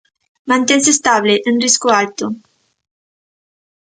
Mantense estable, en risco alto.